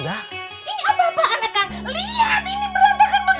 lihat ini berantakan begini ya allah